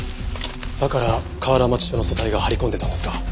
だから河原町署の組対が張り込んでたんですか。